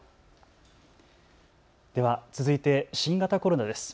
では続いて新型コロナです。